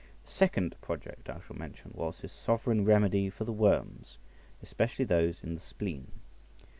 The second project I shall mention was his sovereign remedy for the worms, especially those in the spleen.